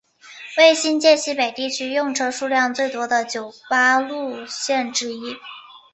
为新界西北地区用车数量最多的九巴路线之一。